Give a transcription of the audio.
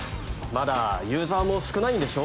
まだユーザーも少ないんでしょ？